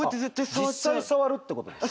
実際触るってことですか？